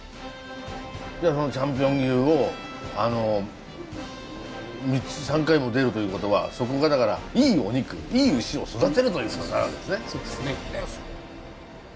そのチャンピオン牛を３回も出るという事はそこがいいお肉いい牛を育てるという事になるわけですね。